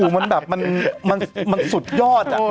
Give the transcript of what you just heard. มันสุดยอด